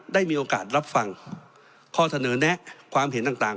ได้มีโอกาสรับฟังข้อเสนอแนะความเห็นต่าง